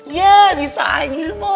iya bisa aja gitu boy